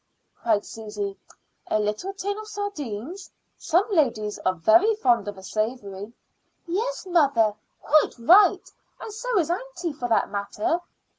cried Susy. "A little tin of sardines some ladies are fond of a savory " "Yes, mother; quite right. And so is aunty, for that matter.